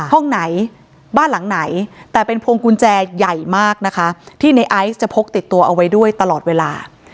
ห้องไหนบ้านหลังไหนแต่เป็นพวงกุญแจใหญ่มากนะคะที่ในไอซ์จะพกติดตัวเอาไว้ด้วยตลอดเวลา